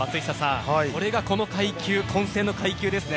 これがこの階級混戦の階級ですね。